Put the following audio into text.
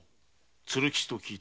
鶴吉と聞いた。